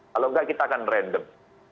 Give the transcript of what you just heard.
kalau enggak kita akan random